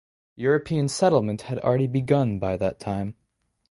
European settlement had already begun by that time.